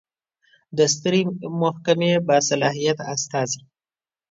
د سترې محکمې باصلاحیته استازی